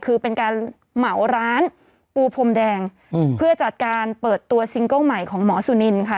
คือเป็นการเหมาร้านปูพรมแดงเพื่อจัดการเปิดตัวซิงเกิ้ลใหม่ของหมอสุนินค่ะ